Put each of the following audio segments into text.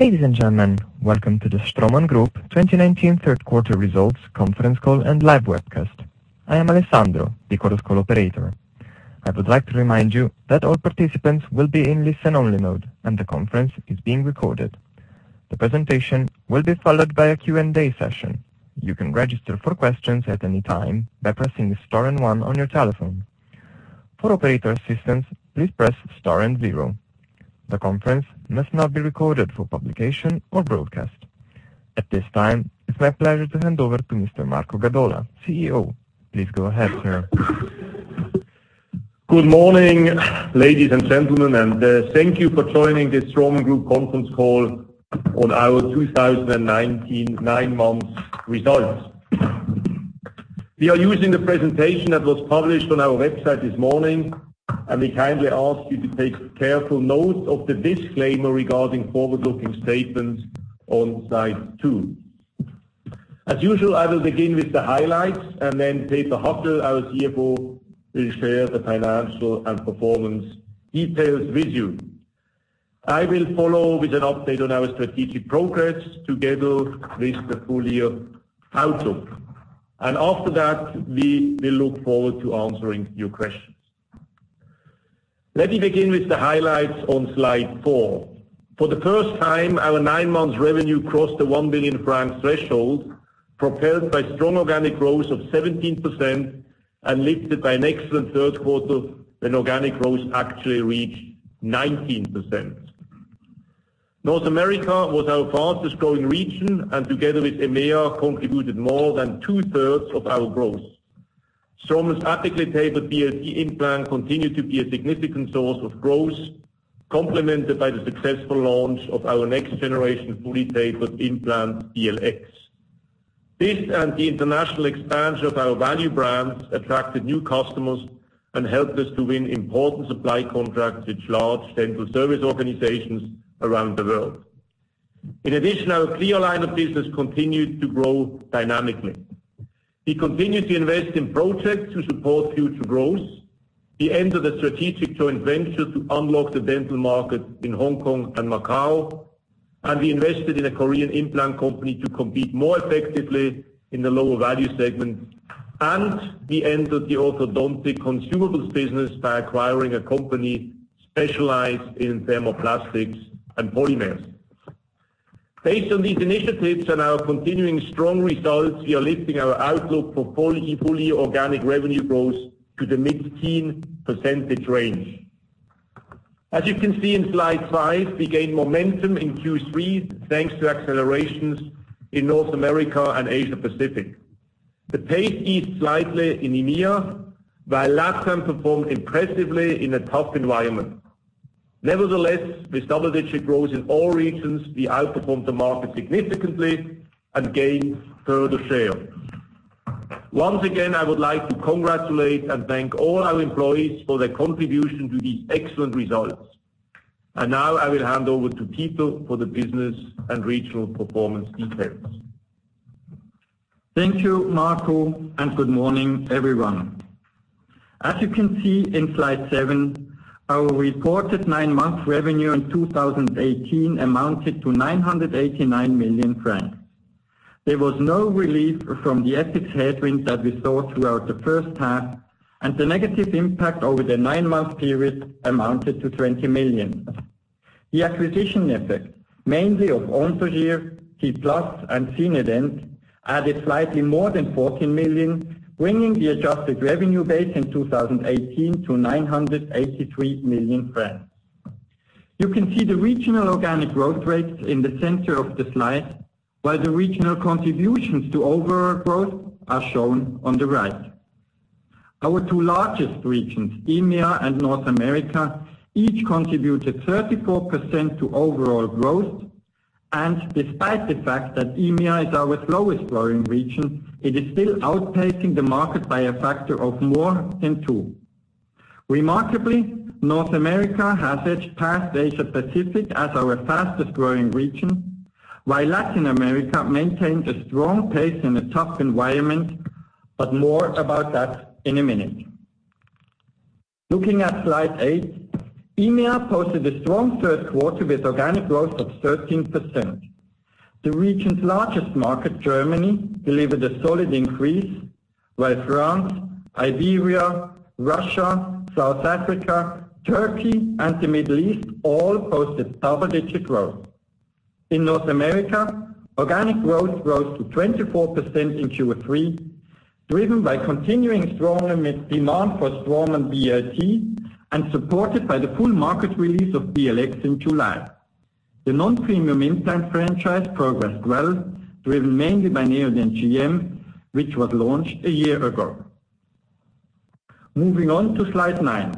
Ladies and gentlemen, welcome to the Straumann Group 2019 third quarter results conference call and live webcast. I am Alessandro, the Chorus Call operator. I would like to remind you that all participants will be in listen-only mode and the conference is being recorded. The presentation will be followed by a Q&A session. You can register for questions at any time by pressing star and one on your telephone. For operator assistance, please press star and zero. The conference must not be recorded for publication or broadcast. At this time, it is my pleasure to hand over to Mr. Marco Gadola, CEO. Please go ahead, sir. Good morning, ladies and gentlemen, and thank you for joining the Straumann Group conference call on our 2019 nine-month results. We are using the presentation that was published on our website this morning, and we kindly ask you to take careful note of the disclaimer regarding forward-looking statements on slide two. Peter Hackel, our CFO, will share the financial and performance details with you. I will follow with an update on our strategic progress together with the full-year outlook, and after that, we will look forward to answering your questions. Let me begin with the highlights on slide four. For the first time, our nine-month revenue crossed the 1 billion franc threshold, propelled by strong organic growth of 17% and lifted by an excellent third quarter when organic growth actually reached 19%. North America was our fastest growing region and together with EMEA contributed more than two-thirds of our growth. Straumann's apically tapered BLT implant continued to be a significant source of growth, complemented by the successful launch of our next generation fully tapered implant, BLX. This and the international expansion of our value brands attracted new customers and helped us to win important supply contracts with large dental service organizations around the world. In addition, our ClearCorrect business continued to grow dynamically. We continued to invest in projects to support future growth. We entered a strategic joint venture to unlock the dental market in Hong Kong and Macau, and we invested in a Korean implant company to compete more effectively in the lower value segment. We entered the orthodontic consumables business by acquiring a company specialized in thermoplastics and polymers. Based on these initiatives and our continuing strong results, we are lifting our outlook for full-year fully organic revenue growth to the mid-teen % range. As you can see in slide five, we gained momentum in Q3 thanks to accelerations in North America and Asia Pacific. The pace eased slightly in EMEA, while LATAM performed impressively in a tough environment. Nevertheless, we established growth in all regions. We outperformed the market significantly and gained further share. Once again, I would like to congratulate and thank all our employees for their contribution to these excellent results. Now I will hand over to Peter for the business and regional performance details. Thank you, Marco, and good morning, everyone. As you can see in slide seven, our reported nine-month revenue in 2018 amounted to 989 million francs. There was no relief from the epic headwind that we saw throughout the first half, and the negative impact over the nine-month period amounted to 20 million. The acquisition effect, mainly of Anthogyr, T-Plus, and Zinedent, added slightly more than 14 million, bringing the adjusted revenue base in 2018 to 983 million francs. You can see the regional organic growth rates in the center of the slide, while the regional contributions to overall growth are shown on the right. Our two largest regions, EMEA and North America, each contributed 34% to overall growth. Despite the fact that EMEA is our slowest growing region, it is still outpacing the market by a factor of more than two. Remarkably, North America has edged past Asia Pacific as our fastest growing region, while Latin America maintained a strong pace in a tough environment. More about that in a minute. Looking at slide eight, EMEA posted a strong third quarter with organic growth of 13%. The region's largest market, Germany, delivered a solid increase, while France, Iberia, Russia, South Africa, Turkey, and the Middle East all posted double-digit growth. In North America, organic growth rose to 24% in Q3, driven by continuing strong demand for Straumann BLT and supported by the full market release of BLX in July. The non-premium implant franchise progressed well, driven mainly by Neodent GM, which was launched a year ago. Moving on to slide nine.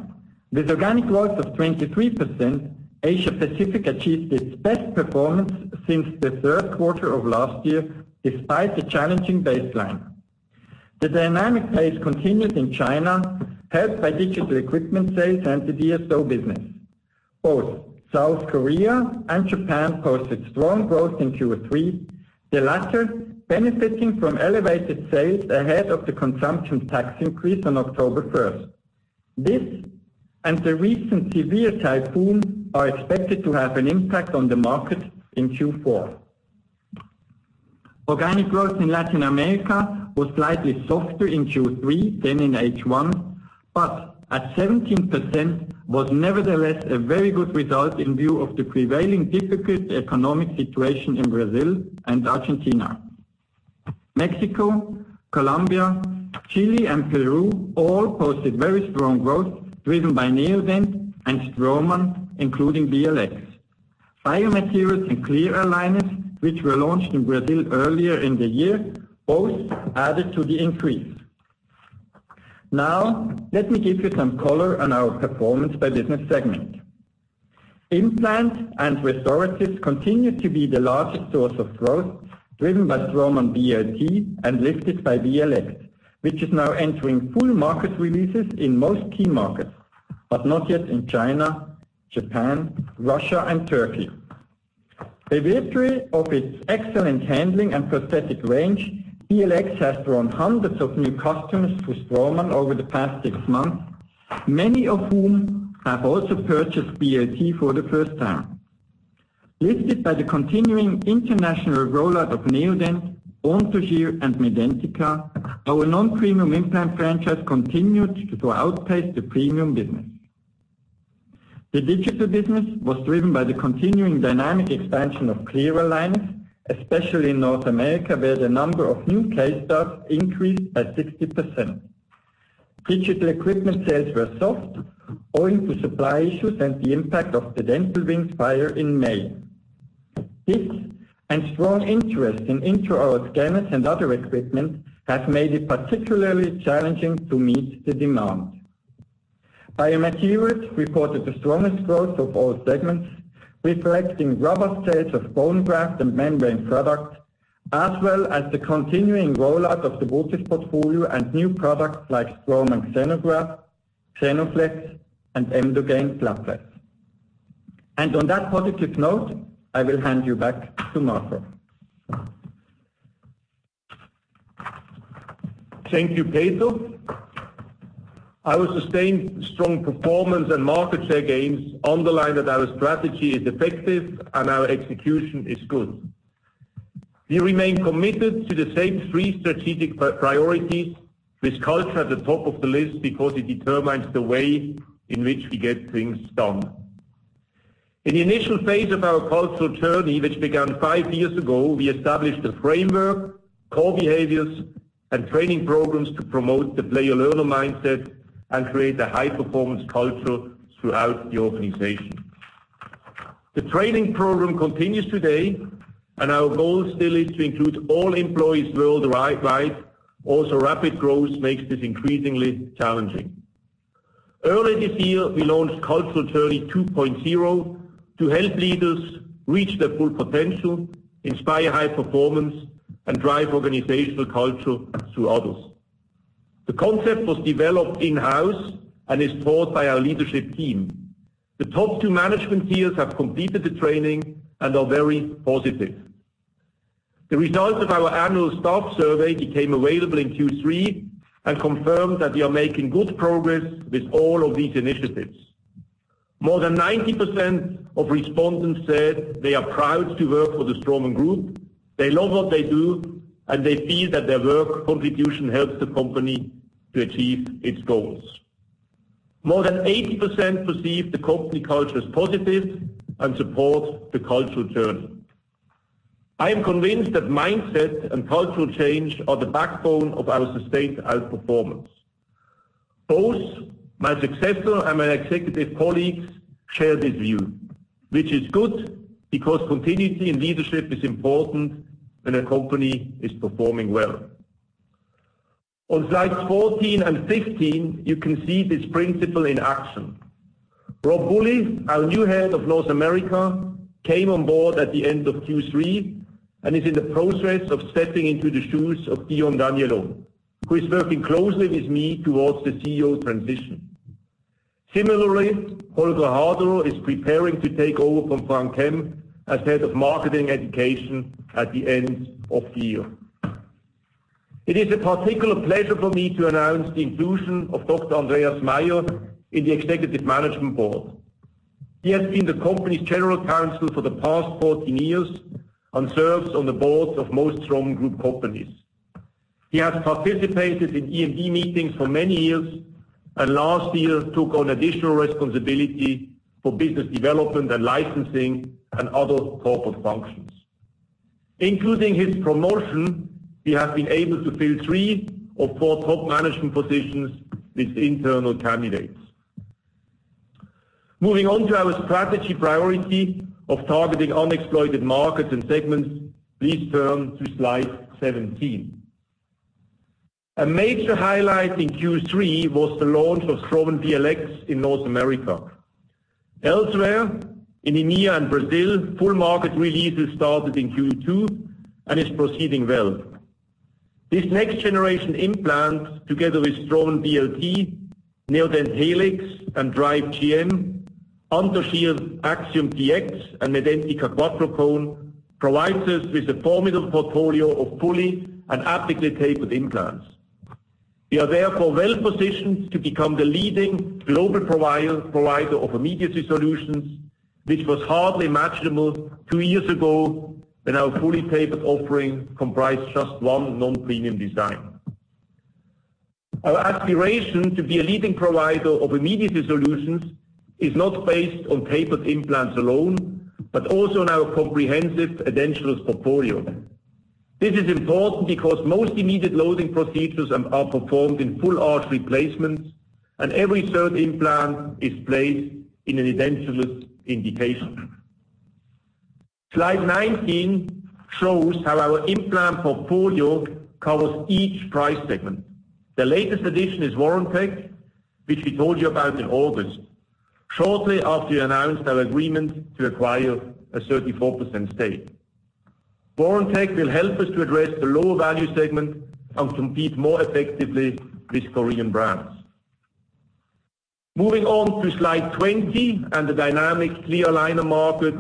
With organic growth of 23%, Asia Pacific achieved its best performance since the third quarter of last year, despite a challenging baseline. The dynamic pace continued in China, helped by digital equipment sales and the DSO business. Both South Korea and Japan posted strong growth in Q3. The latter benefiting from elevated sales ahead of the consumption tax increase on October 1st. This and the recent severe typhoon are expected to have an impact on the market in Q4. Organic growth in Latin America was slightly softer in Q3 than in H1, but at 17% was nevertheless a very good result in view of the prevailing difficult economic situation in Brazil and Argentina. Mexico, Colombia, Chile, and Peru all posted very strong growth, driven by Neodent and Straumann, including BLX. Biomaterials and clear aligners, which were launched in Brazil earlier in the year, both added to the increase. Let me give you some color on our performance by business segment. Implants and restoratives continue to be the largest source of growth, driven by Straumann BLT and lifted by BLX, which is now entering full market releases in most key markets, but not yet in China, Japan, Russia, and Turkey. Benefiting of its excellent handling and prosthetic range, BLX has drawn hundreds of new customers to Straumann over the past six months, many of whom have also purchased BLT for the first time. Lifted by the continuing international rollout of Neodent, [Anthrogyr], and Medentika, our non-premium implant franchise continued to outpace the premium business. The digital business was driven by the continuing dynamic expansion of clear aligners, especially in North America, where the number of new case starts increased by 60%. Digital equipment sales were soft owing to supply issues and the impact of the Dental Wings fire in May. This and strong interest in intraoral scanners and other equipment has made it particularly challenging to meet the demand. Biomaterials reported the strongest growth of all segments, reflecting robust sales of bone graft and membrane products, as well as the continuing rollout of the botiss portfolio and new products like Straumann XenoGraft, XenoFlex, and Emdogain FL. On that positive note, I will hand you back to Marco. Thank you, Peter. Our sustained strong performance and market share gains underline that our strategy is effective and our execution is good. We remain committed to the same three strategic priorities with culture at the top of the list because it determines the way in which we get things done. In the initial phase of our cultural journey, which began five years ago, we established a framework, core behaviors, and training programs to promote the play and learner mindset and create a high-performance culture throughout the organization. The training program continues today, and our goal still is to include all employees worldwide. Rapid growth makes this increasingly challenging. Early this year, we launched Cultural Journey 2.0 to help leaders reach their full potential, inspire high performance, and drive organizational culture through others. The concept was developed in-house and is taught by our leadership team. The top 2 management tiers have completed the training and are very positive. The results of our annual staff survey became available in Q3 and confirmed that we are making good progress with all of these initiatives. More than 90% of respondents said they are proud to work for the Straumann Group. They love what they do, and they feel that their work contribution helps the company to achieve its goals. More than 80% perceive the company culture as positive and support the cultural journey. I am convinced that mindset and cultural change are the backbone of our sustained outperformance. Both my successor and my executive colleagues share this view, which is good because continuity in leadership is important when a company is performing well. On slides 14 and 15, you can see this principle in action. Rob Woolley, our new head of North America, came on board at the end of Q3 and is in the process of stepping into the shoes of Dion Daniellot, who is working closely with me towards the CEO transition. Similarly, Holger Haderer is preparing to take over from Frank Hemm as head of marketing education at the end of the year. It is a particular pleasure for me to announce the inclusion of Dr. Andreas Meier in the Executive Management Board. He has been the company's general counsel for the past 14 years and serves on the boards of most Straumann Group companies. He has participated in EMD meetings for many years and last year took on additional responsibility for business development and licensing and other corporate functions. Including his promotion, we have been able to fill three of four top management positions with internal candidates. Moving on to our strategy priority of targeting unexploited markets and segments. Please turn to slide 17. A major highlight in Q3 was the launch of Straumann BLX in North America. Elsewhere, in EMEA and Brazil, full market release started in Q2 and is proceeding well. This next-generation implant, together with Straumann BLT, Neodent Helix, and Drive CM, ANKYLOS C/X, and Medentika QuattroCone, provides us with a formidable portfolio of fully and apically tapered implants. We are therefore well positioned to become the leading global provider of immediacy solutions, which was hardly imaginable two years ago when our fully tapered offering comprised just one non-premium design. Our aspiration to be a leading provider of immediacy solutions is not based on tapered implants alone, but also on our comprehensive edentulous portfolio. This is important because most immediate loading procedures are performed in full-arch replacements, and every third implant is placed in an edentulous indication. Slide 19 shows how our implant portfolio covers each price segment. The latest addition is Warantec, which we told you about in August, shortly after we announced our agreement to acquire a 34% stake. Warantec will help us to address the low-value segment and compete more effectively with Korean brands. Moving on to slide 20 and the dynamic clear aligner market,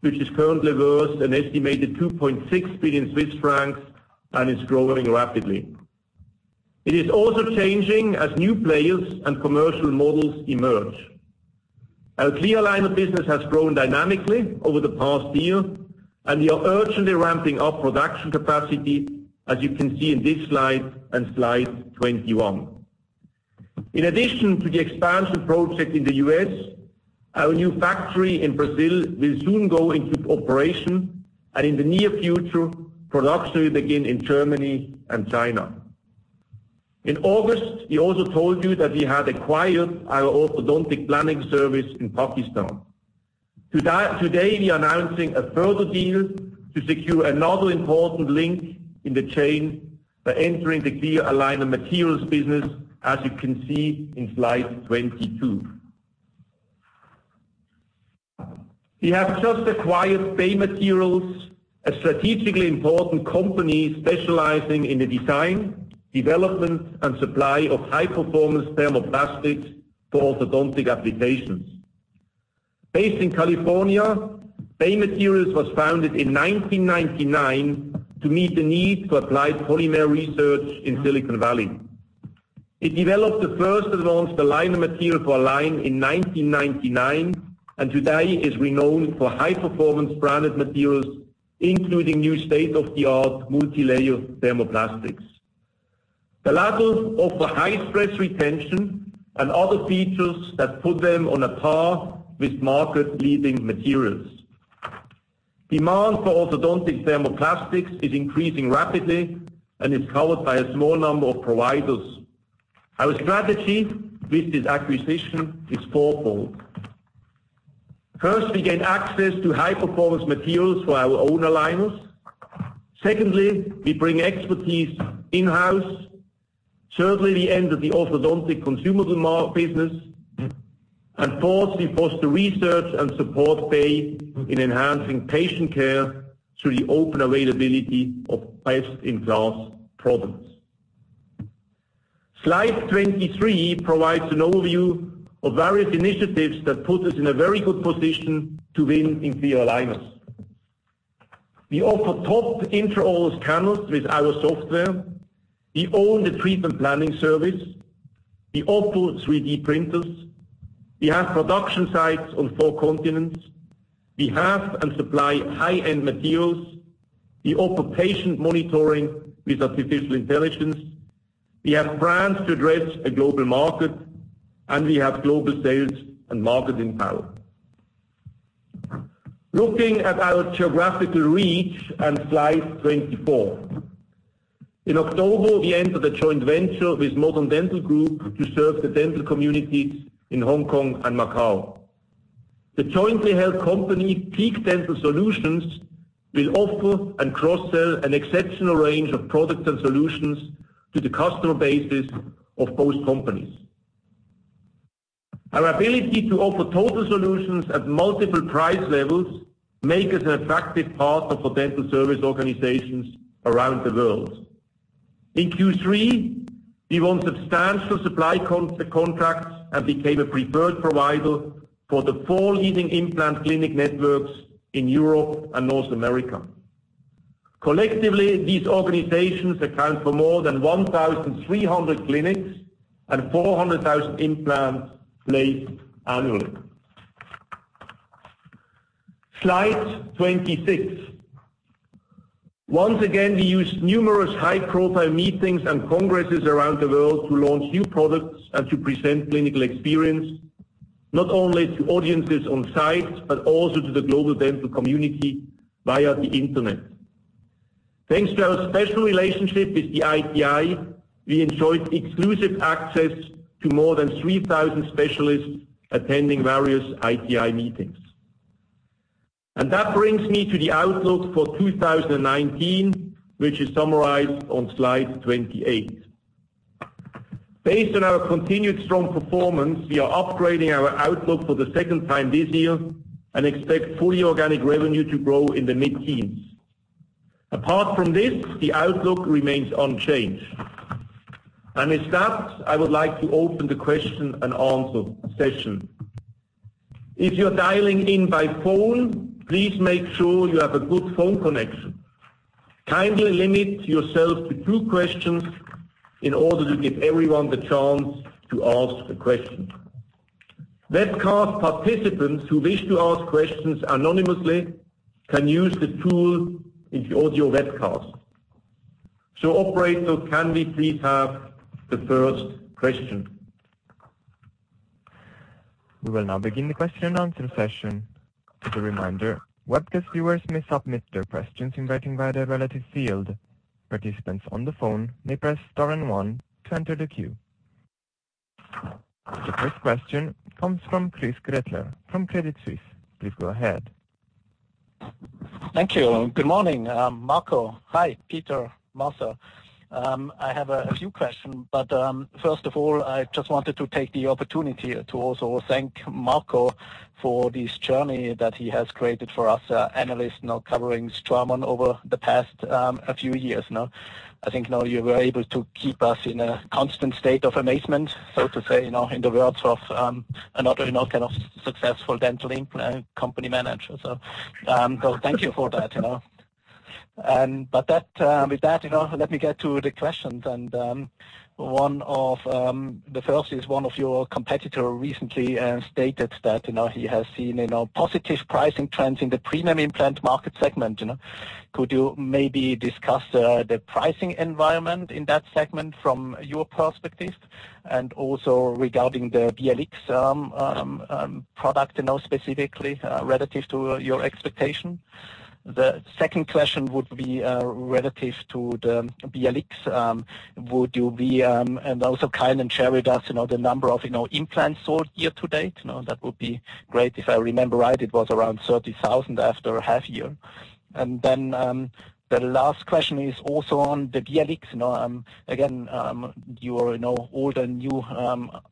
which is currently worth an estimated 2.6 billion Swiss francs and is growing rapidly. It is also changing as new players and commercial models emerge. Our clear aligner business has grown dynamically over the past year, and we are urgently ramping up production capacity, as you can see in this slide and slide 21. In addition to the expansion project in the U.S., our new factory in Brazil will soon go into operation, and in the near future, production will begin in Germany and China. In August, we also told you that we had acquired our orthodontic planning service in Pakistan. Today, we are announcing a further deal to secure another important link in the chain by entering the clear aligner materials business, as you can see in slide 22. We have just acquired Bay Materials, a strategically important company specializing in the design, development, and supply of high-performance thermoplastics for orthodontic applications. Based in California, Bay Materials was founded in 1999 to meet the need to apply polymer research in Silicon Valley. It developed the first advanced aligner material for Align in 1999, and today is renowned for high-performance branded materials, including new state-of-the-art multilayer thermoplastics. The latter offer high stress retention and other features that put them on a par with market-leading materials. Demand for orthodontic thermoplastics is increasing rapidly and is covered by a small number of providers. Our strategy with this acquisition is fourfold. First, we gain access to high-performance materials for our own aligners. Secondly, we bring expertise in-house. Thirdly, we enter the orthodontic consumables business. Fourth, we foster research and support Bay in enhancing patient care through the open availability of best-in-class products. Slide 23 provides an overview of various initiatives that put us in a very good position to win in clear aligners. We offer top intraoral scanners with our software. We own the treatment planning service. We offer 3D printers. We have production sites on four continents. We have and supply high-end materials. We offer patient monitoring with artificial intelligence. We have brands to address a global market, and we have global sales and marketing power. Looking at our geographical reach on slide 24. In October, we entered a joint venture with Modern Dental Group to serve the dental communities in Hong Kong and Macau. The jointly held company, Peak Dental Solutions, will offer and cross-sell an exceptional range of products and solutions to the customer bases of both companies. Our ability to offer total solutions at multiple price levels make us an attractive partner for dental service organizations around the world. In Q3, we won substantial supply contracts and became a preferred provider for the four leading implant clinic networks in Europe and North America. Collectively, these organizations account for more than 1,300 clinics and 400,000 implants placed annually. Slide 26. Once again, we used numerous high-profile meetings and congresses around the world to launch new products and to present clinical experience, not only to audiences on site but also to the global dental community via the internet. Thanks to our special relationship with the ITI, we enjoyed exclusive access to more than 3,000 specialists attending various ITI meetings. That brings me to the outlook for 2019, which is summarized on slide 28. Based on our continued strong performance, we are upgrading our outlook for the second time this year and expect fully organic revenue to grow in the mid-teens. Apart from this, the outlook remains unchanged. With that, I would like to open the question and answer session. If you're dialing in by phone, please make sure you have a good phone connection. Kindly limit yourself to two questions in order to give everyone the chance to ask a question. Webcast participants who wish to ask questions anonymously can use the tool in the audio webcast. Operator, can we please have the first question? We will now begin the question and answer session. As a reminder, webcast viewers may submit their questions in writing via the relative field. Participants on the phone may press star and one to enter the queue. The first question comes from Christoph Gretler from Credit Suisse. Please go ahead. Thank you. Good morning, Marco. Hi, Peter, Marco. First of all, I just wanted to take the opportunity to also thank Marco for this journey that he has created for us analysts now covering Straumann over the past few years now. I think now you were able to keep us in a constant state of amazement, so to say, in the words of another successful dental implant company manager. Thank you for that. With that, let me get to the questions. The first is, one of your competitor recently stated that he has seen positive pricing trends in the premium implant market segment. Could you maybe discuss the pricing environment in that segment from your perspective, and also regarding the BLX product specifically relative to your expectation? The second question would be relative to the BLX. Would you be also kind and share with us the number of implants sold year to date? That would be great. If I remember right, it was around 30,000 after a half year. The last question is also on the BLX. Again, your older, new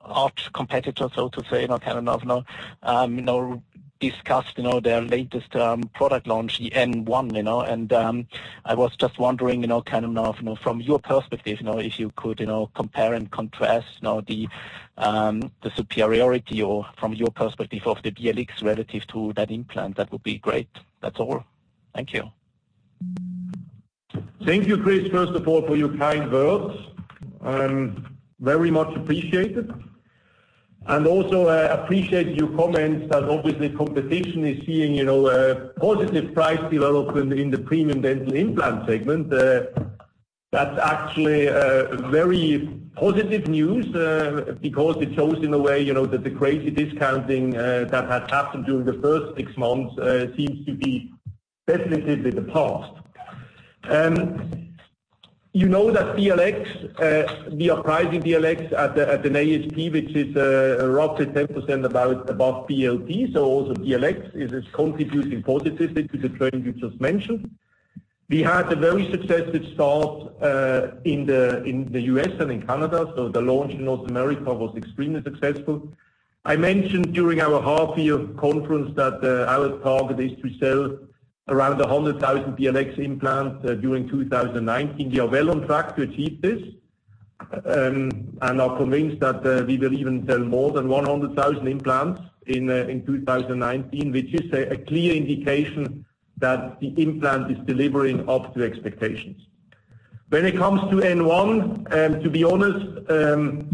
arch competitor, so to say, kind of discussed their latest product launch, the N1. I was just wondering, from your perspective, if you could compare and contrast the superiority or from your perspective of the BLX relative to that implant. That would be great. That's all. Thank you. Thank you, Chris, first of all for your kind words, very much appreciated. Also I appreciate your comments that obviously competition is seeing a positive price development in the premium dental implant segment. That's actually very positive news, because it shows in a way that the crazy discounting that had happened during the first six months seems to be definitely the past. You know that the pricing BLX at an ASP, which is roughly 10% above BLT, also BLX is contributing positively to the trend you just mentioned. We had a very successful start in the U.S. and in Canada. The launch in North America was extremely successful. I mentioned during our half year conference that our target is to sell around 100,000 BLX implants during 2019. We are well on track to achieve this, and are convinced that we will even sell more than 100,000 implants in 2019, which is a clear indication that the implant is delivering up to expectations. When it comes to N1, to be honest,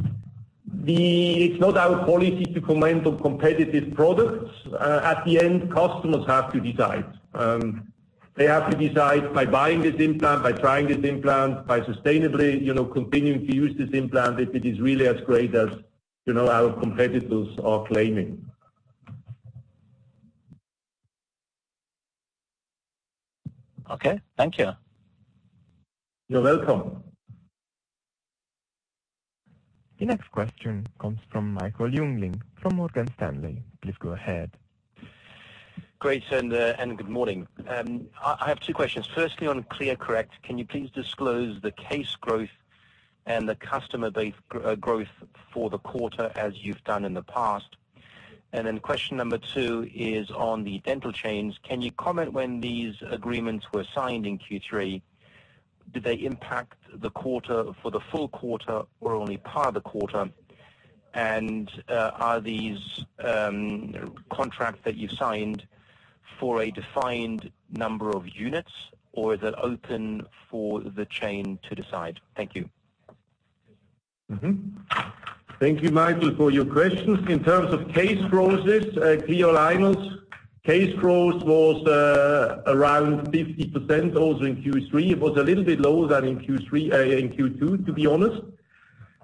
it's not our policy to comment on competitive products. At the end, customers have to decide. They have to decide by buying this implant, by trying this implant, by sustainably continuing to use this implant if it is really as great as our competitors are claiming. Okay. Thank you. You're welcome. The next question comes from Michael Jüngling from Morgan Stanley. Please go ahead. Great, good morning. I have two questions. Firstly on ClearCorrect, can you please disclose the case growth and the customer base growth for the quarter as you've done in the past? Question number two is on the dental chains. Can you comment when these agreements were signed in Q3? Did they impact the quarter for the full quarter or only part of the quarter? Are these contracts that you signed for a defined number of units or is it open for the chain to decide? Thank you. Mm-hmm. Thank you, Michael, for your questions. In terms of case growth, this clear aligners case growth was around 50% also in Q3. It was a little bit lower than in Q2, to be honest.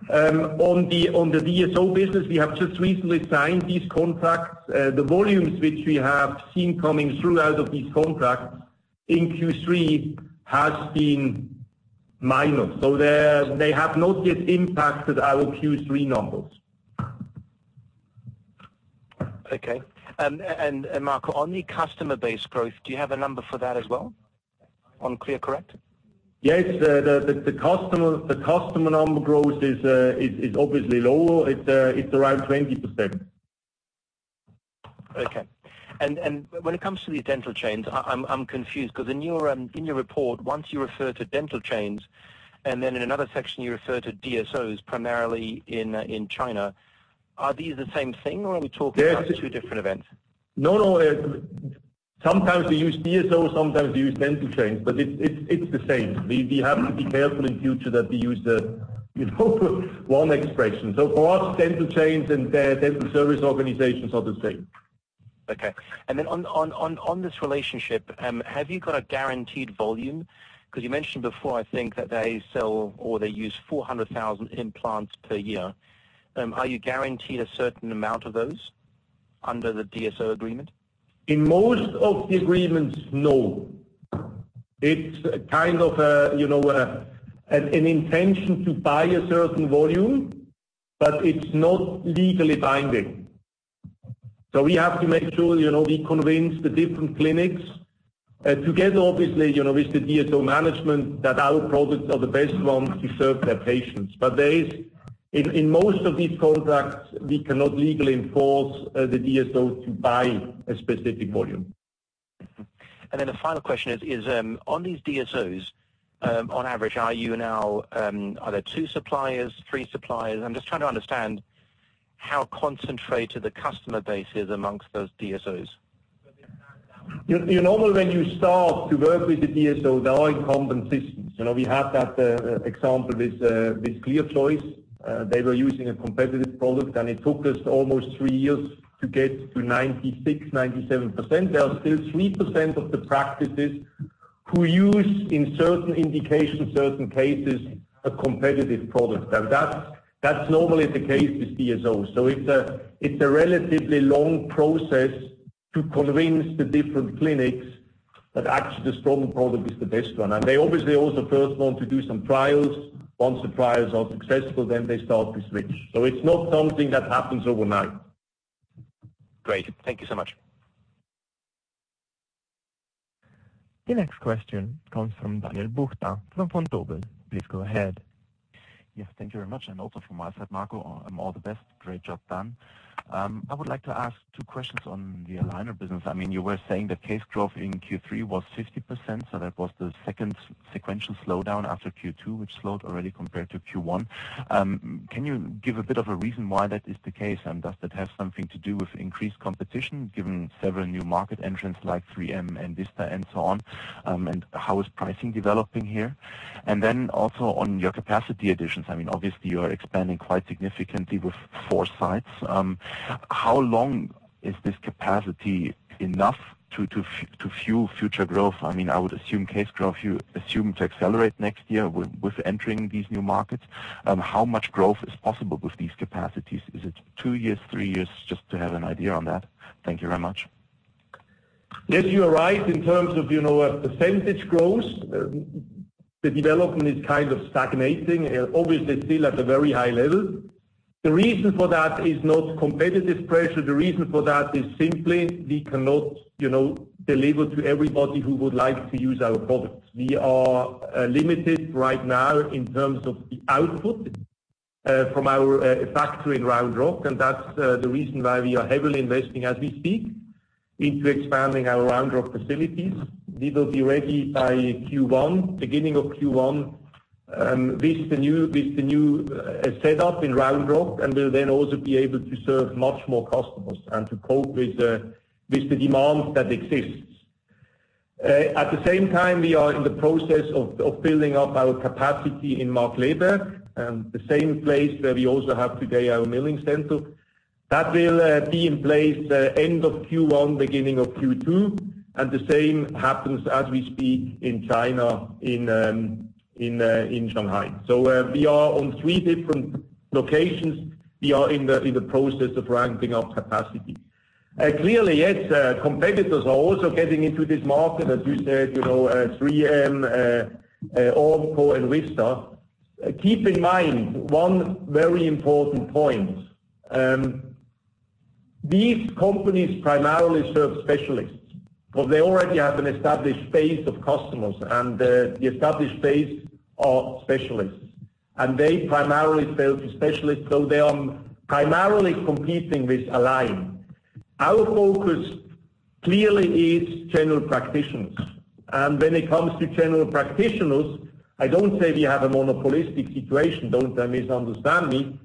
On the DSO business, we have just recently signed these contracts. The volumes which we have seen coming through out of these contracts in Q3 has been minor. They have not yet impacted our Q3 numbers. Okay. Marco, on the customer base growth, do you have a number for that as well, on ClearCorrect? Yes. The customer number growth is obviously lower. It's around 20%. Okay. When it comes to these dental chains, I'm confused because in your report, once you refer to dental chains, and then in another section, you refer to DSOs primarily in China. Are these the same thing, or are we talking about two different events? No. Sometimes we use DSO, sometimes we use dental chains, but it's the same. We have to be careful in future that we use the one expression. For us, dental chains and dental service organizations are the same. Okay. On this relationship, have you got a guaranteed volume? Because you mentioned before, I think, that they sell or they use 400,000 implants per year. Are you guaranteed a certain amount of those under the DSO agreement? In most of the agreements, no. It's an intention to buy a certain volume, but it's not legally binding. We have to make sure we convince the different clinics together, obviously, with the DSO management, that our products are the best ones to serve their patients. In most of these contracts, we cannot legally enforce the DSO to buy a specific volume. The final question is, on these DSOs, on average, are there two suppliers, three suppliers? I am just trying to understand how concentrated the customer base is amongst those DSOs. Normally, when you start to work with the DSO, there are competencies. We have that example with ClearChoice. They were using a competitive product, and it took us almost three years to get to 96%, 97%. There are still 3% of the practices who use, in certain indications, certain cases, a competitive product. That's normally the case with DSOs. It's a relatively long process to convince the different clinics that actually the Straumann product is the best one. They obviously also first want to do some trials. Once the trials are successful, they start to switch. It's not something that happens overnight. Great. Thank you so much. The next question comes from Daniel Buchta from Vontobel. Please go ahead. Yes, thank you very much. Also from my side, Marco, all the best. Great job done. I would like to ask two questions on the aligner business. You were saying the case growth in Q3 was 50%, that was the second sequential slowdown after Q2, which slowed already compared to Q1. Can you give a bit of a reason why that is the case? Does that have something to do with increased competition, given several new market entrants like 3M and Vista and so on? How is pricing developing here? Also on your capacity additions, obviously you are expanding quite significantly with four sites. How long is this capacity enough to fuel future growth? I would assume case growth, you assume to accelerate next year with entering these new markets. How much growth is possible with these capacities? Is it two years, three years? Just to have an idea on that. Thank you very much. Yes, you are right in terms of % growth. The development is stagnating, obviously still at a very high level. The reason for that is not competitive pressure. The reason for that is simply we cannot deliver to everybody who would like to use our products. We are limited right now in terms of the output from our factory in Round Rock, and that's the reason why we are heavily investing as we speak into expanding our Round Rock facilities. We will be ready by Q1, beginning of Q1. This is the new setup in Round Rock, and we'll then also be able to serve many more customers and to cope with the demand that exists. At the same time, we are in the process of building up our capacity in Marktleuthen, the same place where we also have today our milling center. That will be in place end of Q1, beginning of Q2, and the same happens as we speak in China, in Shanghai. We are on three different locations. We are in the process of ramping up capacity. Clearly, yes, competitors are also getting into this market, as you said, 3M, Ormco, and Vista. Keep in mind one very important point. These companies primarily serve specialists, but they already have an established base of customers, and the established base are specialists, and they primarily sell to specialists. They are primarily competing with Align. Our focus clearly is general practitioners. When it comes to general practitioners, I don't say we have a monopolistic situation. Don't misunderstand me.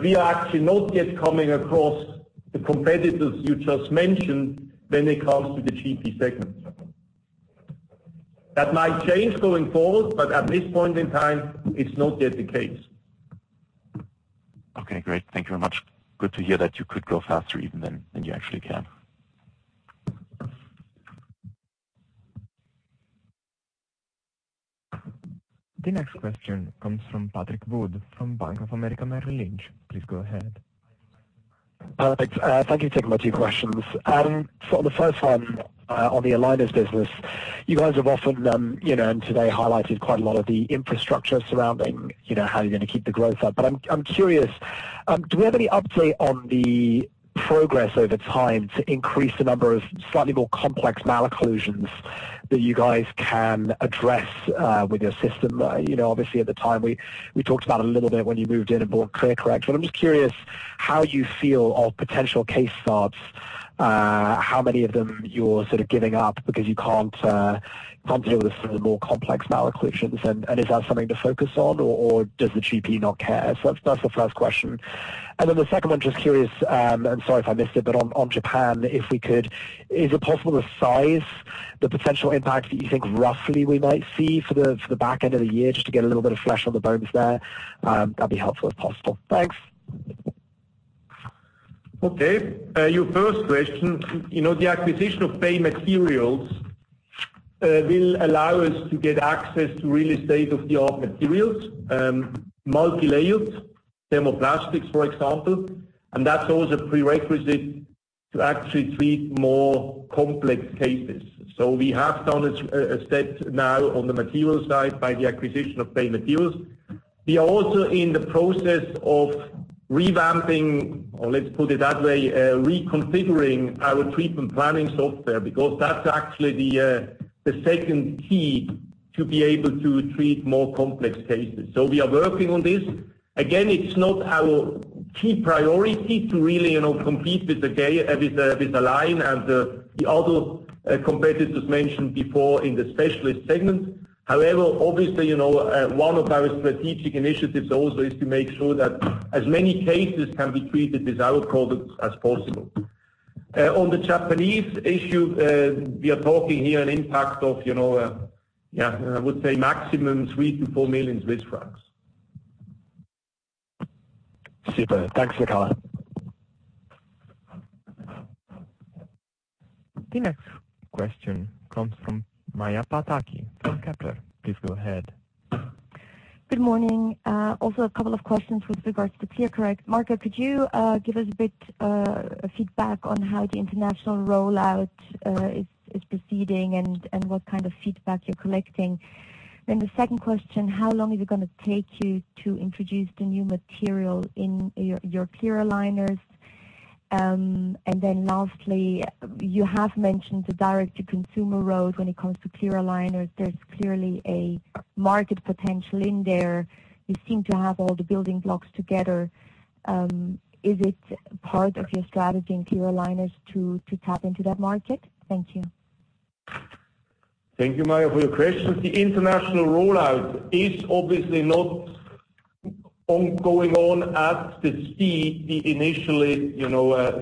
We are actually not yet coming across the competitors you just mentioned when it comes to the GP segment. That might change going forward, but at this point in time, it's not yet the case. Okay, great. Thank you very much. Good to hear that you could grow faster even than you actually can. The next question comes from Patrick Wood from Bank of America Merrill Lynch. Please go ahead. Thank you for taking my two questions. For the first one, on the aligners business. You guys have often, and today highlighted quite a lot of the infrastructure surrounding how you're going to keep the growth up. I'm curious, do we have any update on the progress over time to increase the number of slightly more complex malocclusions that you guys can address with your system? Obviously, at the time, we talked about a little bit when you moved in and bought ClearCorrect. I'm just curious how you feel of potential case starts. How many of them you're sort of giving up because you can't deal with sort of the more complex malocclusions? Is that something to focus on, or does the GP not care? That's the first question. The second one, just curious, and sorry if I missed it, but on Japan, if we could, is it possible to size the potential impact that you think roughly we might see for the back end of the year, just to get a little bit of flesh on the bones there? That'd be helpful if possible. Thanks. Okay. Your first question. The acquisition of Bay Materials will allow us to get access to really state-of-the-art materials. Multi-layered thermoplastics, for example. That's also a prerequisite to actually treat more complex cases. We have done a set now on the material side by the acquisition of Bay Materials. We are also in the process of revamping, or let's put it that way, reconfiguring our treatment planning software because that's actually the second key to be able to treat more complex cases. We are working on this. Again, it's not our key priority to really compete with the Align and the other competitors mentioned before in the specialist segment. However, obviously, one of our strategic initiatives also is to make sure that as many cases can be treated with our products as possible. On the Japanese issue, we are talking here an impact of, I would say maximum 3 million-4 million Swiss francs. Super. Thanks for color. The next question comes from Maja Pataki from Kepler. Please go ahead. Good morning. A couple of questions with regards to ClearCorrect. Marco, could you give us a bit feedback on how the international rollout is proceeding and what kind of feedback you're collecting? The second question, how long is it going to take you to introduce the new material in your clear aligners? Lastly, you have mentioned the direct-to-consumer road when it comes to clear aligners. There's clearly a market potential in there. You seem to have all the building blocks together. Is it part of your strategy in clear aligners to tap into that market? Thank you. Thank you, Maja, for your questions. The international rollout is obviously not going on at the speed we initially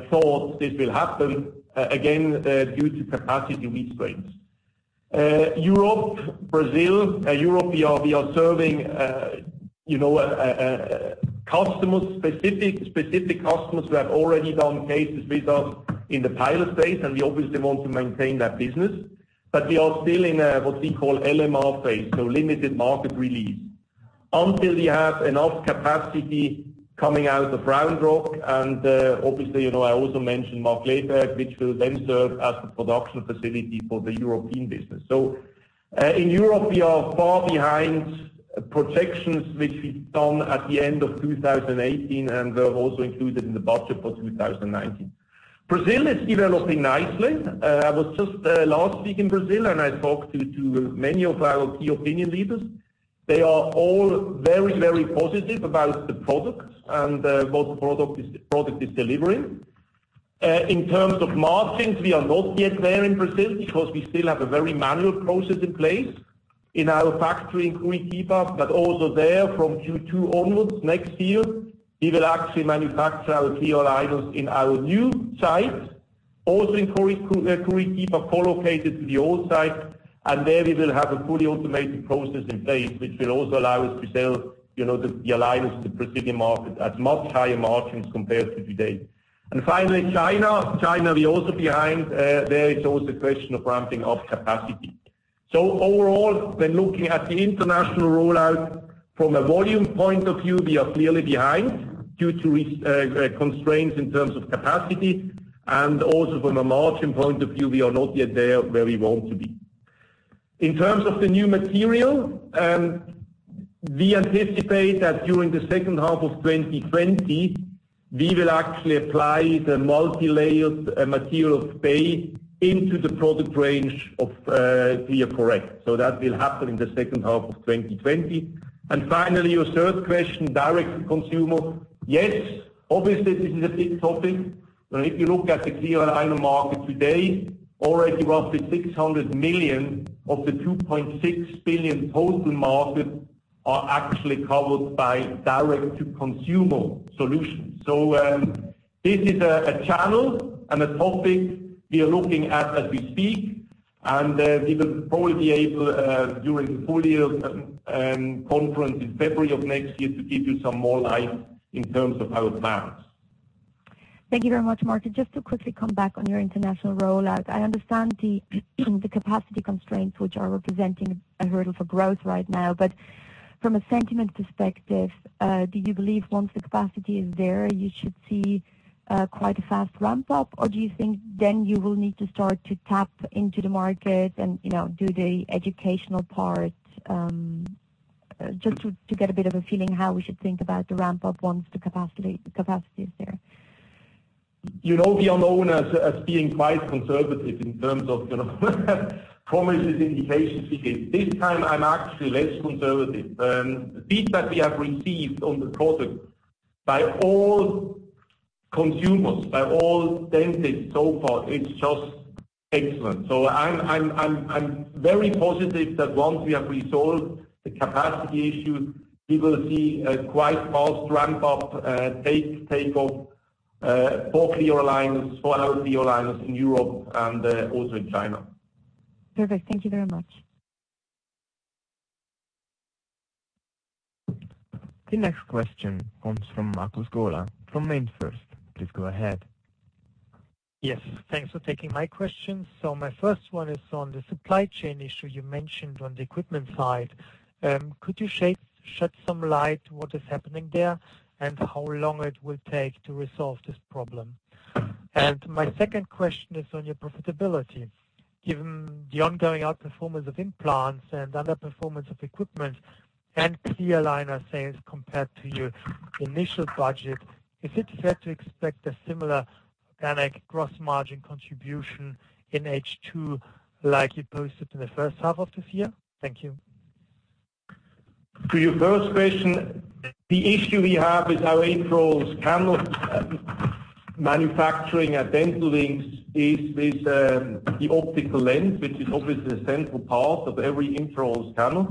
thought this will happen, again, due to capacity constraints. Europe, Brazil. Europe, we are serving specific customers who have already done cases with us in the pilot phase, and we obviously want to maintain that business. We are still in a what we call LMR phase, so limited market release. Until we have enough capacity coming out of Round Rock, and obviously, I also mentioned Marktleuthen, which will then serve as the production facility for the European business. In Europe, we are far behind projections which we've done at the end of 2018 and have also included in the budget for 2019. Brazil is developing nicely. I was just last week in Brazil, and I talked to many of our key opinion leaders. They are all very, very positive about the products and what the product is delivering. In terms of margins, we are not yet there in Brazil because we still have a very manual process in place in our factory in Curitiba. Also there from Q2 onwards next year, we will actually manufacture our clear aligners in our new site, also in Curitiba, co-located to the old site. There we will have a fully automated process in place, which will also allow us to sell the aligners to the Brazilian market at much higher margins compared to today. Finally, China. China, we're also behind. There it's also a question of ramping up capacity. Overall, when looking at the international rollout from a volume point of view, we are clearly behind due to constraints in terms of capacity. Also from a margin point of view, we are not yet there where we want to be. In terms of the new material, we anticipate that during the second half of 2020, we will actually apply the multi-layered material Bay into the product range of ClearCorrect. That will happen in the second half of 2020. Finally, your third question, direct-to-consumer. Yes, obviously, this is a big topic. If you look at the clear aligner market today, already roughly 600 million of the 2.6 billion total market are actually covered by direct-to-consumer solutions. This is a channel and a topic we are looking at as we speak. We will probably be able, during the full year conference in February of next year, to give you some more light in terms of our plans. Thank you very much, Marco. Just to quickly come back on your international rollout. I understand the capacity constraints which are representing a hurdle for growth right now. From a sentiment perspective, do you believe once the capacity is there, you should see quite a fast ramp-up? Do you think then you will need to start to tap into the market and do the educational part? Just to get a bit of a feeling how we should think about the ramp-up once the capacity is there. You know we are known as being quite conservative in terms of promises, indications. This time I'm actually less conservative. The feedback we have received on the product by all consumers, by all dentists so far, it's just excellent. I'm very positive that once we have resolved the capacity issue, we will see a quite fast ramp-up, take-off for clear aligners, for our clear aligners in Europe and also in China. Perfect. Thank you very much. The next question comes from Markus Gola from MainFirst. Please go ahead. Yes. Thanks for taking my question. My first one is on the supply chain issue you mentioned on the equipment side. Could you shed some light what is happening there, and how long it will take to resolve this problem? My second question is on your profitability. Given the ongoing outperformance of implants and underperformance of equipment and clear aligner sales compared to your initial budget, is it fair to expect a similar organic gross margin contribution in H2 like you posted in the first half of this year? Thank you. To your first question, the issue we have with our intraoral scanner manufacturing at Dental Wings is with the optical lens, which is obviously a central part of every intraoral scanner.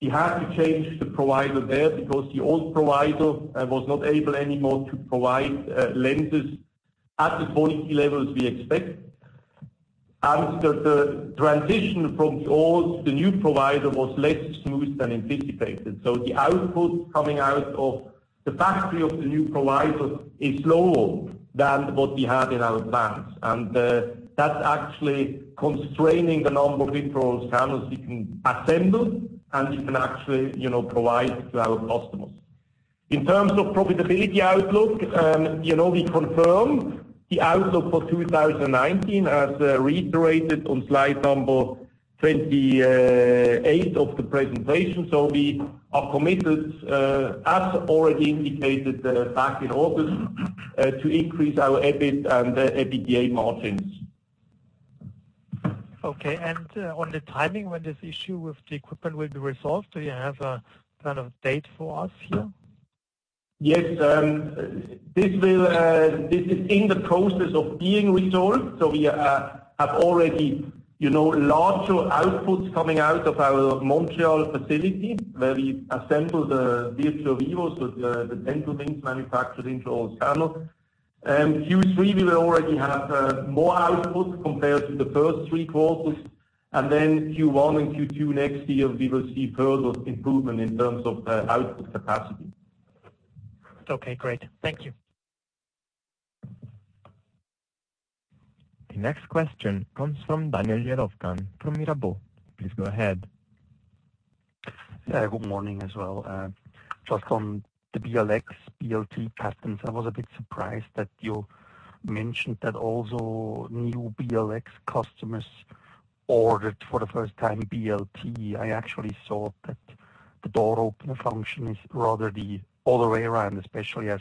We had to change the provider there because the old provider was not able anymore to provide lenses at the quality levels we expect. The transition from the old to the new provider was less smooth than anticipated. The output coming out of the factory of the new provider is lower than what we had in our plans. That's actually constraining the number of intraoral scanners we can assemble and we can actually provide to our customers. In terms of profitability outlook, we confirm the outlook for 2019 as reiterated on slide number 28 of the presentation. We are committed, as already indicated back in August, to increase our EBIT and EBITDA margins. Okay. On the timing when this issue with the equipment will be resolved, do you have a date for us here? Yes. This is in the process of being resolved. We have already larger outputs coming out of our Montreal facility where we assemble the Virtuo Vivo, the Dental Wings manufactured intraoral scanner. Q3, we already have more output compared to the first three quarters. Q1 and Q2 next year, we will see further improvement in terms of output capacity. Okay, great. Thank you. The next question comes from Daniel Jelovcan from Mirabaud. Please go ahead. Yeah. Good morning as well. Just on the BLX, BLT customers, I was a bit surprised that you mentioned that also new BLX customers ordered for the first time BLT. I actually thought that the door opener function is rather the other way around, especially as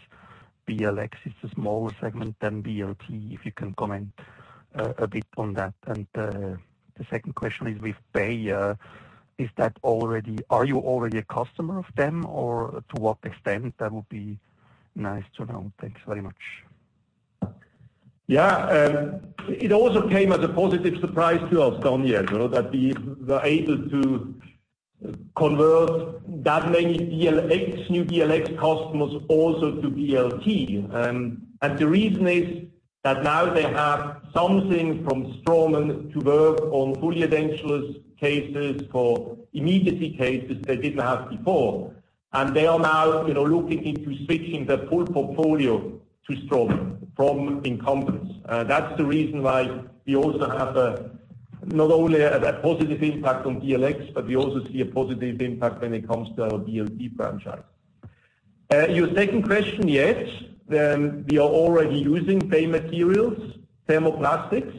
BLX is a smaller segment than BLT. If you can comment a bit on that. The second question is with Bay Materials. Are you already a customer of them or to what extent? That would be nice to know. Thanks very much. It also came as a positive surprise to us, Daniel, that we were able to convert that many new BLX customers also to BLT. The reason is that now they have something from Straumann to work on fully edentulous cases for immediate cases they didn't have before. They are now looking into switching their full portfolio to Straumann from incumbents. That's the reason why we also have not only a positive impact on BLX, but we also see a positive impact when it comes to our BLT franchise. Your second question, yes. We are already using Bay Materials, thermoplastics.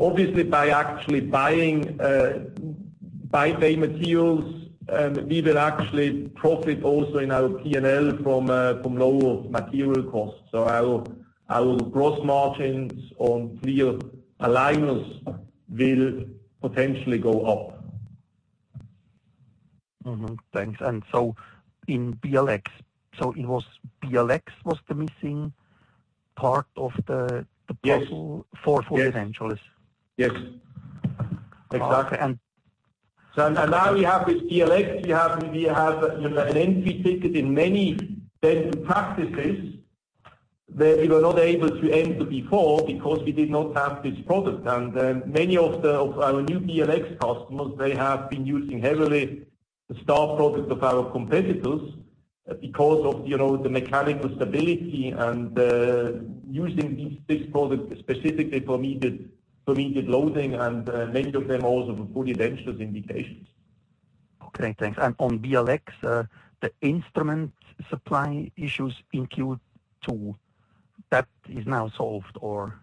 Obviously by actually buying Bay Materials, we will actually profit also in our P&L from lower material costs. Our gross margins on clear aligners will potentially go up. Mm-hmm. Thanks. In BLX was the missing part of the puzzle. Yes for full edentulous? Yes. Exactly. Now we have with BLX, we have an entry ticket in many dental practices that we were not able to enter before because we did not have this product. Many of our new BLX customers, they have been using heavily the star product of our competitors. Because of the mechanical stability and using this product specifically for immediate loading and many of them also for fully dentures indications. Okay, thanks. On BLX, the instrument supply issues in Q2, that is now solved, or?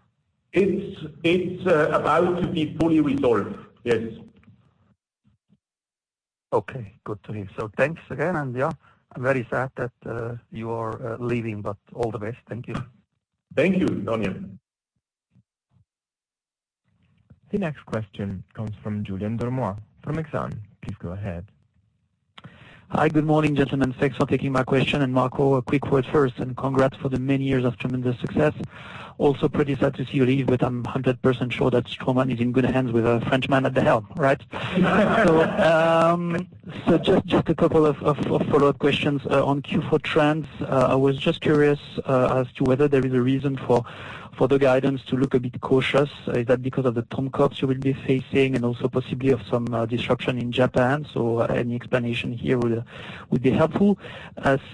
It's about to be fully resolved. Yes. Okay, good to hear. Thanks again. Yeah, I'm very sad that you are leaving, but all the best. Thank you. Thank you, Daniel. The next question comes from Julien Dormois from Exane. Please go ahead. Hi. Good morning, gentlemen. Thanks for taking my question. Marco, a quick word first, and congrats for the many years of tremendous success. Also pretty sad to see you leave, but I'm 100% sure that Straumann is in good hands with a Frenchman at the helm, right? Just a couple of follow-up questions on Q4 trends. I was just curious as to whether there is a reason for the guidance to look a bit cautious. Is that because of the term cuts you will be facing and also possibly of some disruption in Japan? Any explanation here would be helpful.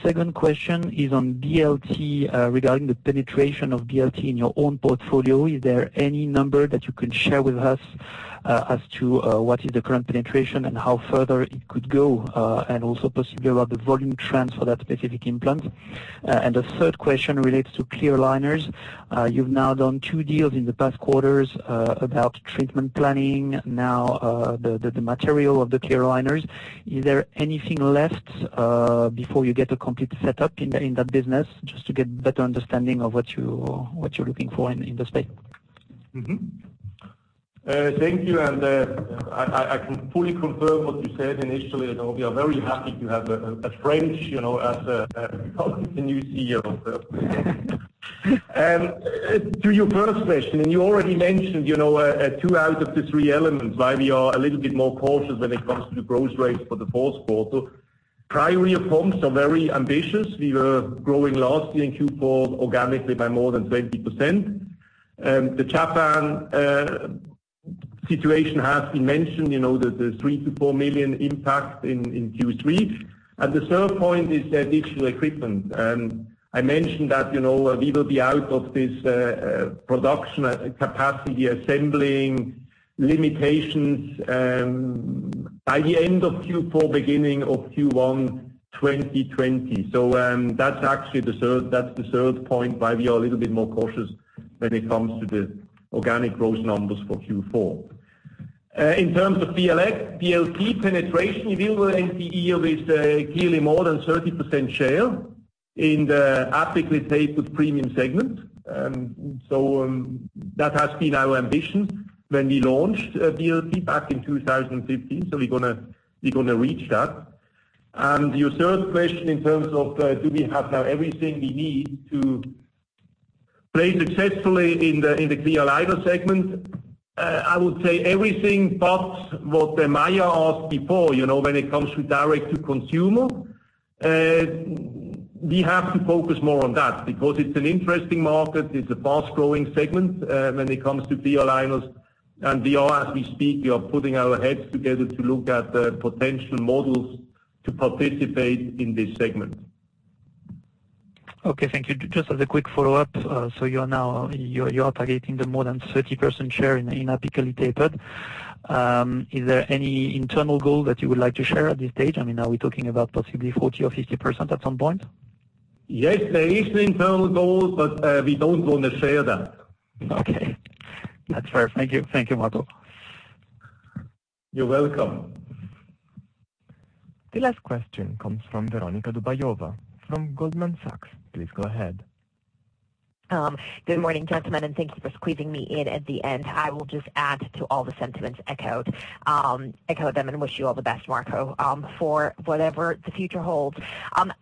Second question is on BLT, regarding the penetration of BLT in your own portfolio. Is there any number that you can share with us as to what is the current penetration and how further it could go? Also possibly about the volume trends for that specific implant. The third question relates to clear aligners. You've now done two deals in the past quarters about treatment planning. The material of the clear aligners. Is there anything left before you get a complete setup in that business, just to get better understanding of what you're looking for in the space? Thank you. I can fully confirm what you said initially. We are very happy to have a French as the new CEO. To your first question, you already mentioned two out of the three elements why we are a little bit more cautious when it comes to the growth rates for the fourth quarter. Prior year comps are very ambitious. We were growing last year in Q4 organically by more than 20%. The Japan situation has been mentioned, the 3 million-4 million impact in Q3. The third point is the digital equipment. I mentioned that we will be out of this production capacity assembling limitations by the end of Q4, beginning of Q1 2020. That's actually the third point why we are a little bit more cautious when it comes to the organic growth numbers for Q4. In terms of BLX, BLT penetration, we will end the year with clearly more than 30% share in the apically tapered premium segment. That has been our ambition when we launched BLT back in 2015. We're going to reach that. Your third question in terms of, do we have now everything we need to play successfully in the clear aligner segment? I would say everything but what Maja asked before, when it comes to direct to consumer. We have to focus more on that because it's an interesting market. It's a fast-growing segment when it comes to clear aligners. We are, as we speak, we are putting our heads together to look at potential models to participate in this segment. Okay, thank you. Just as a quick follow-up. You are now targeting the more than 30% share in apically tapered. Is there any internal goal that you would like to share at this stage? Are we talking about possibly 40% or 50% at some point? Yes, there is an internal goal, but we don't want to share that. Okay. That's fair. Thank you, Marco. You're welcome. The last question comes from Veronika Dubajova from Goldman Sachs. Please go ahead. Good morning, gentlemen, and thank you for squeezing me in at the end. I will just add to all the sentiments echoed. Echo them and wish you all the best, Marco, for whatever the future holds.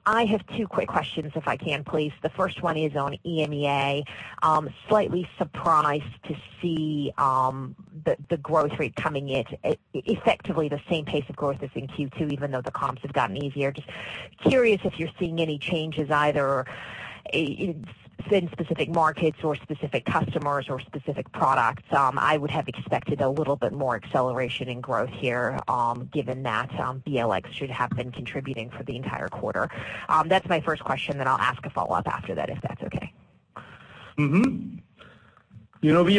I have two quick questions, if I can, please. The first one is on EMEA. Slightly surprised to see the growth rate coming in effectively the same pace of growth as in Q2, even though the comps have gotten easier. Just curious if you're seeing any changes either in specific markets or specific customers or specific products. I would have expected a little bit more acceleration in growth here, given that BLX should have been contributing for the entire quarter. That's my first question, then I'll ask a follow-up after that, if that's okay. Mm-hmm. We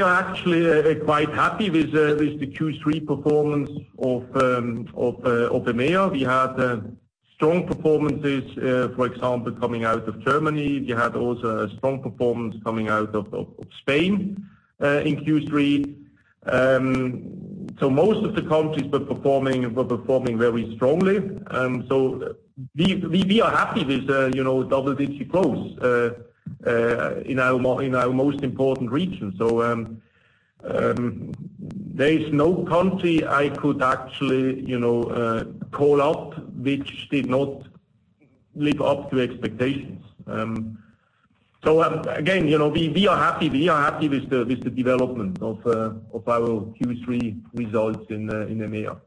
are actually quite happy with the Q3 performance of EMEA. We had strong performances, for example, coming out of Germany. We had also a strong performance coming out of Spain in Q3. Most of the countries were performing very strongly. We are happy with double-digit growth in our most important regions. There is no country I could actually call out which did not live up to expectations. Again, we are happy with the development of our Q3 results in EMEA.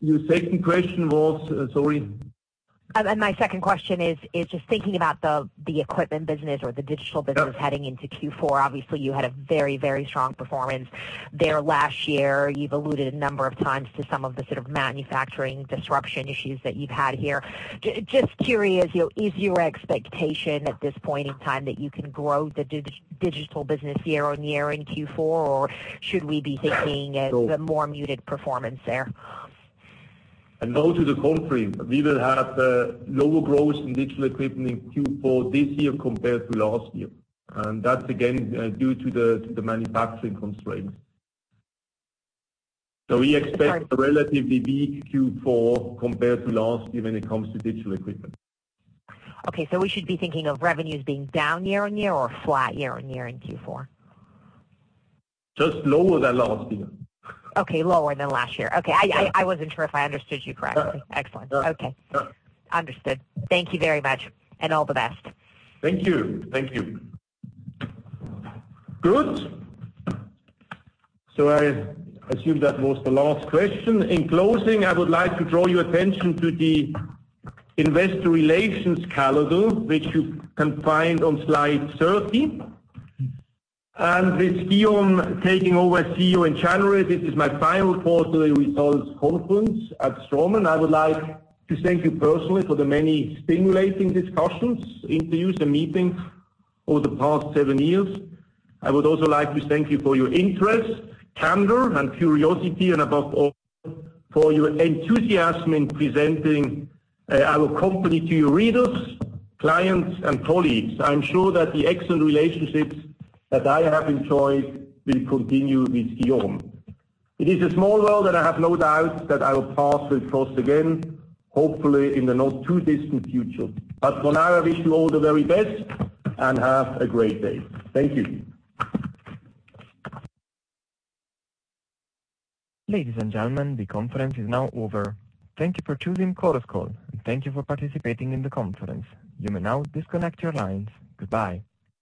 Your second question was? Sorry. My second question is just thinking about the equipment business or the digital business heading into Q4. Obviously, you had a very strong performance there last year. You've alluded a number of times to some of the sort of manufacturing disruption issues that you've had here. Just curious, is your expectation at this point in time that you can grow the digital business year-on-year in Q4, or should we be thinking a more muted performance there? No, to the contrary, we will have lower growth in digital equipment in Q4 this year compared to last year. That's, again, due to the manufacturing constraints. We expect a relatively weak Q4 compared to last year when it comes to digital equipment. Okay. We should be thinking of revenues being down year-on-year or flat year-on-year in Q4? Just lower than last year. Okay. Lower than last year. Okay. I wasn't sure if I understood you correctly. Yeah. Excellent. Okay. Understood. Thank you very much, and all the best. Thank you. Good. I assume that was the last question. In closing, I would like to draw your attention to the investor relations calendar, which you can find on slide 30. With Guillaume taking over as CEO in January, this is my final quarterly results conference at Straumann. I would like to thank you personally for the many stimulating discussions, interviews, and meetings over the past seven years. I would also like to thank you for your interest, candor, and curiosity, and above all, for your enthusiasm in presenting our company to your readers, clients, and colleagues. I'm sure that the excellent relationships that I have enjoyed will continue with Guillaume. It is a small world, and I have no doubt that I will pass this post again, hopefully in the not too distant future. For now, I wish you all the very best, and have a great day. Thank you. Ladies and gentlemen, the conference is now over. Thank you for choosing Chorus Call, and thank you for participating in the conference. You may now disconnect your lines. Goodbye.